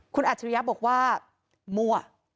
คุณอัจฉริยะบอกว่ามั่ว